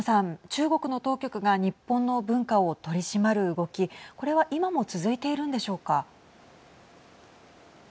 中国の当局が日本の文化を取り締まる動きこれは今も続いているんでしょうか。